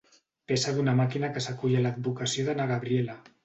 Peça d'una màquina que s'acull a l'advocació de na Gabriela.